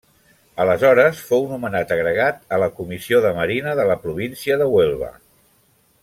Aleshores fou nomenat agregat a la Comissió de Marina de la província de Huelva.